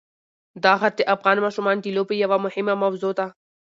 دا غر د افغان ماشومانو د لوبو یوه مهمه موضوع ده.